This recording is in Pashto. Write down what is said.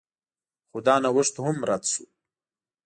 خو دا نوښت هم رد شو.